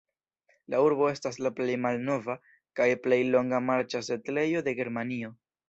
La urbo estas la plej malnova kaj plej longa marĉa setlejo de Germanio.